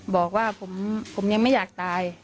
บอกว่าผมยังไม่อยากตาย